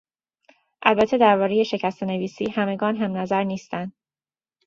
البته دربارهٔ شکستهنویسی همگان همنظر نیستند.